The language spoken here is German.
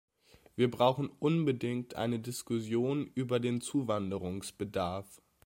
Wir brauchen unbedingt eine Diskussion über den Zuwanderungsbedarf.